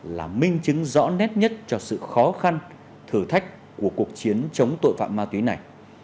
là minh chứng rõ nét nhất cho sự khó khăn thử thách của cuộc chiến chống tội phạm ma túy này